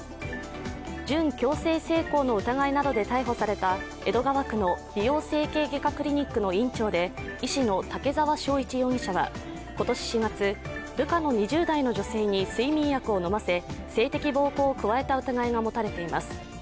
準強制性交の疑いなどで逮捕された江戸川区の美容整形外科クリニックの院長で医師の竹沢章一容疑者は今年４月、部下の２０代の女性に睡眠薬を飲ませ、性的暴行を加えた疑いが持たれています。